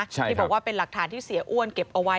ที่บอกว่าเป็นหลักฐานที่เสียอ้วนเก็บเอาไว้